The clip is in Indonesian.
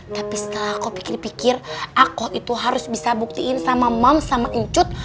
tapi setelah aku pikir pikir aku itu harus bisa buktiin sama mom sama incut